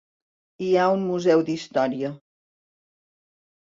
Hi ha un museu d'història.